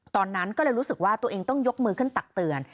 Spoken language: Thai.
ตอนนั้นก็เลยรู้สึกว่าตัวเองต้องยกมือขึ้นตักเตือน